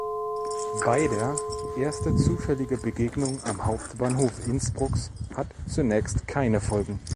Beider erste zufällige Begegnung am Hauptbahnhof Innsbrucks hat zunächst keine Folgen.